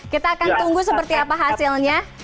kita akan tunggu seperti apa hasilnya